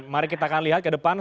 mari kita akan lihat ke depan